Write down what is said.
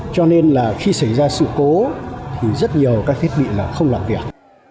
cho nên là khi xảy ra sự cố thì rất nhiều các thiết bị là không làm việc